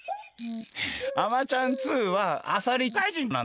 「あまちゃん２」はあさり怪人なんだ。